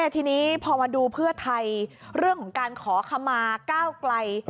ทีนี้พอมาดูเพื่อไทยเรื่องของการขอขมาก้าวไกล